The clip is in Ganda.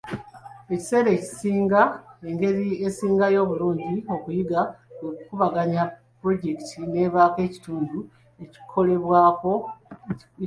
Ebiseera ebisinga engeri esingayo obulungi okuyiga kwe kugabanyaamu pulojekiti n'ebaako ekitundu ekikolebwako n'emikono.